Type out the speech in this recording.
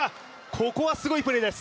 ここはすごいプレーです。